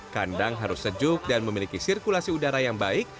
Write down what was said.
kandang harus sejuk dan memiliki sirkulasi udara yang baik